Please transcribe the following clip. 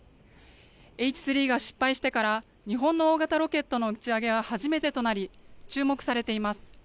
Ｈ３が失敗してから日本の大型ロケットの打ち上げは初めてとなり注目されています。